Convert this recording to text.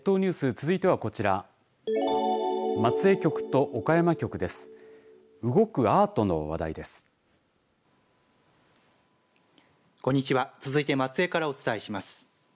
続いて松江からお伝えします。